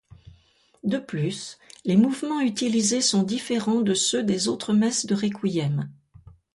De plus, les mouvements utilisés sont différents de ceux des autres messes de requiem.